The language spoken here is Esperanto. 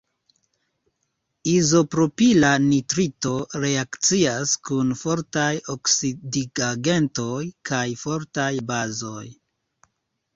Izopropila nitrito reakcias kun fortaj oksidigagentoj kaj fortaj bazoj.